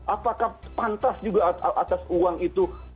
apakah pantas juga atas uang itu